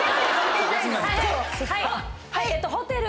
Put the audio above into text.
はい。